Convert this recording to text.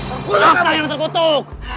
akang yang terkutuk